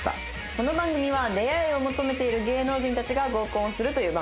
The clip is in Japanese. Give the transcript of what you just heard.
この番組は出会いを求めている芸能人たちが合コンをするという番組です。